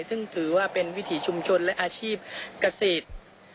ซึ่งถือว่าเป็นวิถีชุมชนและอาชีพเกษตร